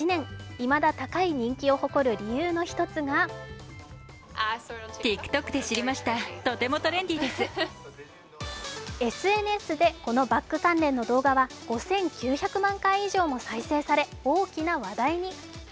いまだ高い人気を誇る理由の１つがＳＮＳでこのバッグ関連の動画は５９００万回以上も再生され大きな話題に。